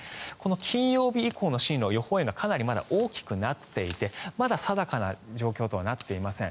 金曜日以降の進路、予報円がまだかなり大きくなっていてまだ定かな状況とはなっていません。